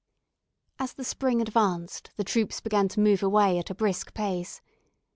As the spring advanced, the troops began to move away at a brisk pace.